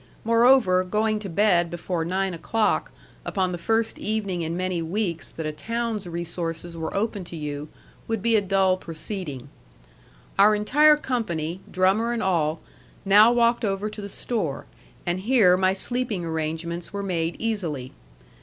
Moreover, going to bed before nine o'clock upon the first evening in many weeks that a town's resources were open to you, would be a dull proceeding. Our entire company, drummer and all, now walked over to the store, and here my sleeping arrangements were made easily.